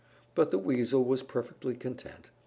But the Weasel was perfectly content.